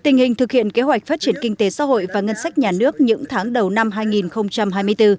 tình hình thực hiện kế hoạch phát triển kinh tế xã hội và ngân sách nhà nước những tháng đầu năm hai nghìn hai mươi bốn